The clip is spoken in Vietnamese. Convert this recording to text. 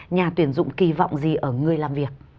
nhà tuyển dụng kỳ vọng gì ở người làm việc